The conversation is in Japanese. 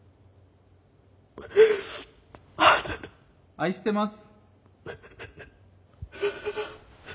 愛してます。